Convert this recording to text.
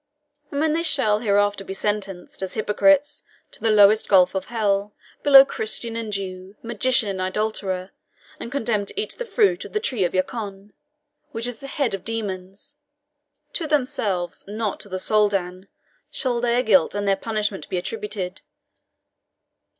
And when they shall hereafter be sentenced, as hypocrites, to the lowest gulf of hell, below Christian and Jew, magician and idolater, and condemned to eat the fruit of the tree Yacoun, which is the heads of demons, to themselves, not to the Soldan, shall their guilt and their punishment be attributed.